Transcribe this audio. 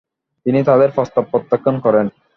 তিনি তাদের প্রস্তাব প্রত্যাখ্যান করেন।